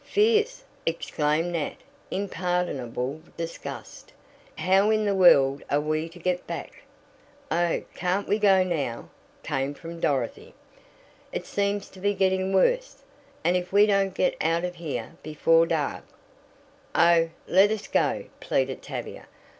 "Fierce!" exclaimed Nat in pardonable disgust. "How in the world are we to get back?" "Oh, can't we go now?" came from Dorothy. "It seems to be getting worse, and if we don't get out of here before dark " "Oh, let us go!" pleaded Tavia.